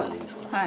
はい。